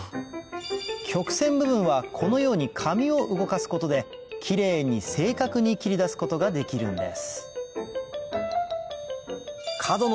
曲線部分はこのように紙を動かすことでキレイに正確に切り出すことができるんです